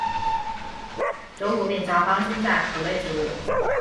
轴腐病常发生在谷类植物。